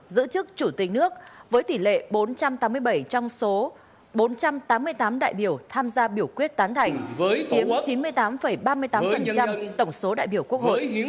giữ chức chủ tịch nước với tỷ lệ bốn trăm tám mươi bảy trong số bốn trăm tám mươi tám đại biểu tham gia biểu quyết tán thành với chiếm chín mươi tám ba mươi tám tổng số đại biểu quốc hội